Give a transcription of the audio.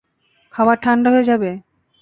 খাবার ঠাণ্ডা হয়ে যাবে!